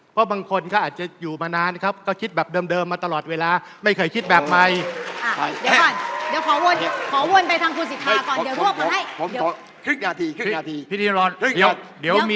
เพราะบางคนก็อาจจะอยู่มานานครับก็คิดแบบเดิมมาตลอดเวลาไม่เคยคิดแบบใหม่